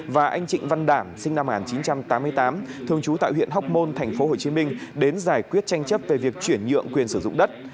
và anh trịnh văn đảm sinh năm một nghìn chín trăm tám mươi tám thường trú tại huyện hóc môn thành phố hồ chí minh đến giải quyết tranh chấp về việc chuyển nhượng quyền sử dụng đất